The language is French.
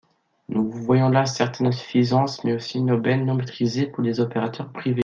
Nous voyons là certaines insuffisances mais aussi une aubaine non maîtrisée pour des opérateurs privés.